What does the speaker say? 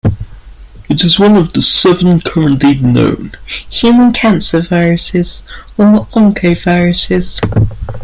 It is one of seven currently known human cancer viruses, or oncoviruses.